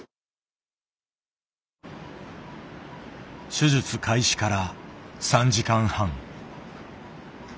手術開始から３時間半。